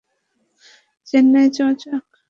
চেন্নাই যাওয়া যাক।